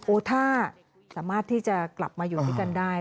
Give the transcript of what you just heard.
ถ้าสามารถที่จะกลับมาอยู่ด้วยกันได้